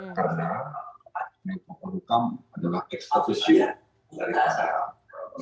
karena kompolnas adalah ekstrasi dari pasar